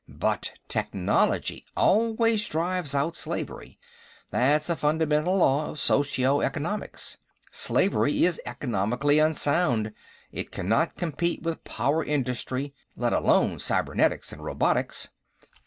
"But technology always drives out slavery; that's a fundamental law of socio economics. Slavery is economically unsound; it cannot compete with power industry, let alone cybernetics and robotics."